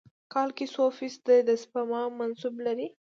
کال کې څو فیص ده د سپما منصوبه لرئ؟